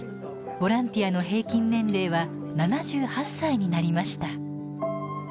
ボランティアの平均年齢は７８歳になりました。